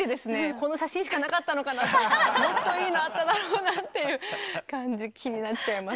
この写真しかなかったのかなともっといいのあっただろうなっていう感じ気になっちゃいますけど。